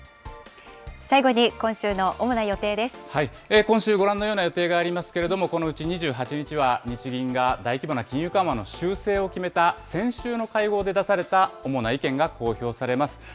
今週、ご覧のような予定がありますけれども、このうち２８日は、日銀が大規模な金融緩和の修正を決めた先週の会合で出された主な意見が公表されます。